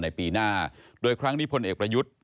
ในปีหน้าโดยครั้งนี้พลเอกประยุทธ์